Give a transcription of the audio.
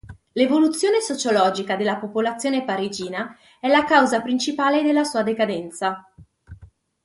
L'evoluzione sociologica della popolazione parigina è la causa principale della sua decadenza.